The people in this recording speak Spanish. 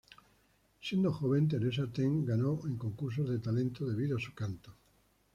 Siendo joven, Teresa Teng ganó en concursos de talento debido a su canto.